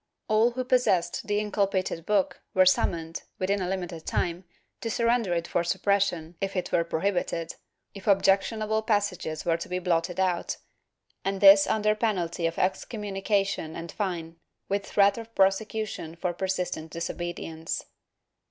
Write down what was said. All who possessed the inculpated book were summoned, within a limited time, to surrender it for suppression, if it were prohibited, or for expurgation if objectionable passages were to be blotted out, and this under penalty of excommunication and fine, with threat of prosecution for persistent disobedience.